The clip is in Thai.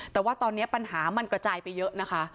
แต่ว่าตอนนี้ปัญหามันกระจายไปเยอะนะคะ